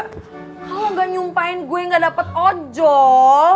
kalo gak nyumpain gue gak dapet ojol